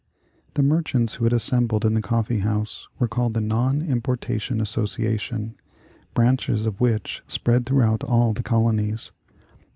The merchants who had assembled in the coffee house were called the Non Importation Association, branches of which spread throughout all the colonies.